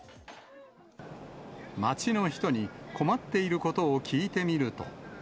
街の人に困っていることを聞いてみると。